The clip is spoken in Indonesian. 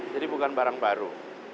jadi bukan barang baru